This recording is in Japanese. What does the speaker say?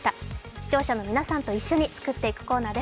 視聴者の皆さんと一緒に作っていくコーナーです。